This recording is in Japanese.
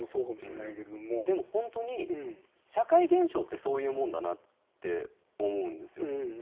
でもほんとに社会現象ってそういうものだなと思うんですよ。